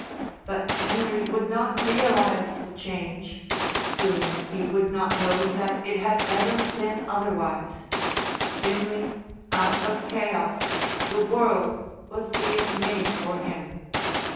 But Henry would not realise the change, soon he would not know that it had ever been otherwise. Dimly, out of chaos, the world was being made for him.